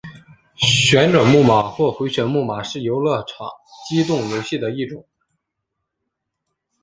旋转木马或回转木马是游乐场机动游戏的一种。